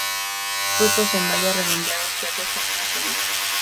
Frutos en baya, redondeados verde, con una semilla.